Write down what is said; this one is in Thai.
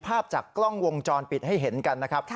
ภาพจากกล้องวงจรปิดให้เห็นกันนะครับ